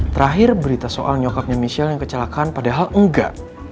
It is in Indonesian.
terakhir berita soal nyokapnya michelle yang kecelakaan padahal enggak